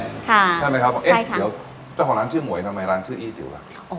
ค่ะใช่ไหมครับแต่ห่อล้านชื่อหมวยทำไมร้านชื่ออี้ติ๋วละ